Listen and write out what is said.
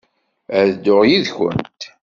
Ad dduɣ yid-kent.